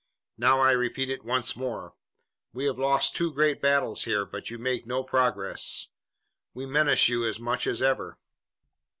Now I repeat it once more. We have lost two great battles here, but you make no progress. We menace you as much as ever."